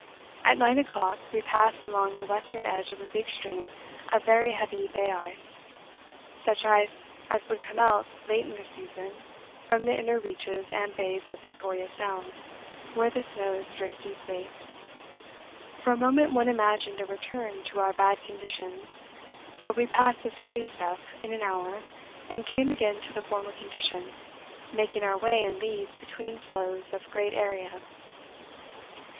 At 9 o'clock we passed along the western edge of a big stream of very heavy bay ice such ice as would come out late in the season from the inner reaches and bays of Victoria Sound, where the snows drift deeply. For a moment one imagined a return to our bad conditions, but we passed this heavy stuff in an hour and came again to the former condition, making our way in leads between floes of great area.